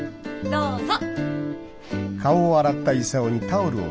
どうぞ。